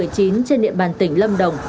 trên địa bàn tỉnh lâm đồng